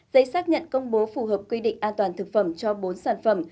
giấy xác nhận công bố phù hợp quy định an toàn thực phẩm cho bốn sản phẩm